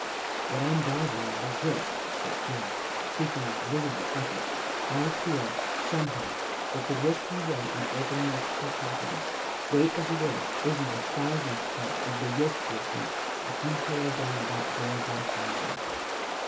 "" What I'm driving at is this," said Creel, speak ing with visible effort; "I feel, somehow, that the risk you run in opening this sarcophagus, great as it is, isn't a thousandth part of the risk you'll take if you tear down that door back yonder."